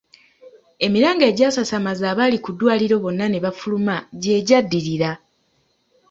Emiranga egyasasamaza abaali ku ddwaliro bonna ne bafuluma gye gyaddirira.